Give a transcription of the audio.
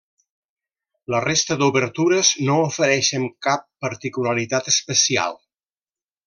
La resta d'obertures no ofereixen cap particularitat especial.